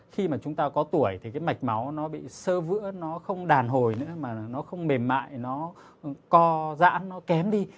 khi mà chúng ta có tuổi thì cái mạch máu nó bị sơ vữa nó không đàn hồi nữa mà nó không mềm mại nó co giãn nó kém đi